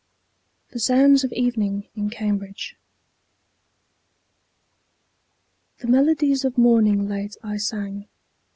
THE SOUNDS OF EVENING IN CAMBRIDGE. The Melodies of Morning late I sang.